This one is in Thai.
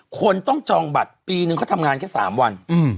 คนต้องจองบัตรปีนึงเขาทำงานแค่๓วัน